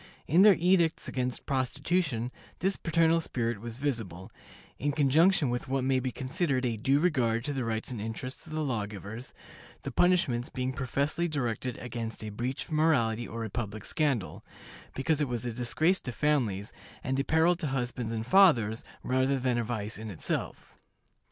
In their edicts against prostitution this paternal spirit was visible, in conjunction with what may be considered a due regard to the rights and interests of the law givers, the punishments being professedly directed against a breach of morality or a public scandal, because it was a disgrace to families, and a peril to husbands and fathers, rather than a vice in itself.